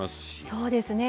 そうですね